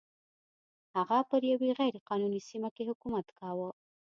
هغه پر یوې غیر قانوني سیمه کې حکومت کاوه.